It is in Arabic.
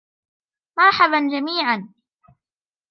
مرحباً جميعاً!